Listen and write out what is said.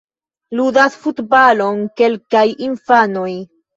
Ludas futbalon kelkaj infanoj.